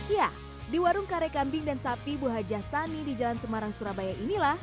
ya di warung kare kambing dan sapi buhajasani di jalan semarang surabaya inilah